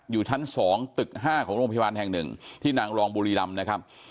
อยู่ชั้น๒ตึก๕ของโรงพยาบาลแห่ง๑ที่นางรองบุรีรำนะครับ